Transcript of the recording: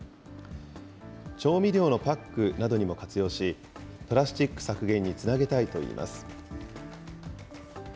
調味料のパックなどにも活用し、プラスチック削減につなげたいといいます。